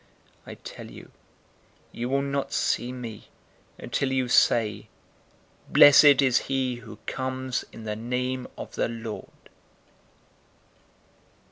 I tell you, you will not see me, until you say, 'Blessed is he who comes in the name of the Lord!'"